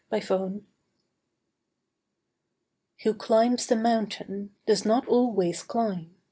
CLIMBING Who climbs the mountain does not always climb.